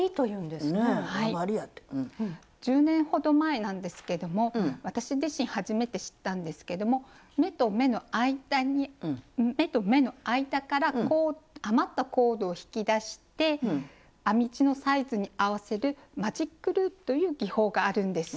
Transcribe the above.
１０年ほど前なんですけども私自身初めて知ったんですけども目と目の間から余ったコードを引き出して編み地のサイズに合わせる「マジックループ」という技法があるんです。